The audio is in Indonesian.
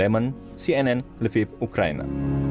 orang kita dan negara kita